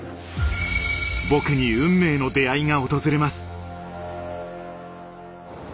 僕に運命の出会いが訪れます。